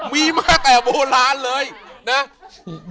มีมาแต่โบราณเลยนะ